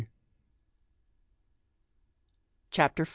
CHAPTER V.